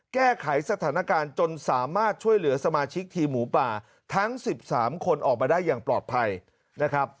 แก้ไขสถานการณ์จนสามารถช่วยเหลือสมาชิกทีมหมูป่าทั้ง๑๓คนออกมาได้อย่างปลอดภัยนะครับ